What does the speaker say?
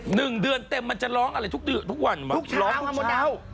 หนึ่งเดือนเต็มมันจะร้องอะไรทุกที่ทุกวันร้องทุกเช้า